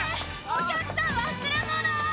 お客さん忘れ物！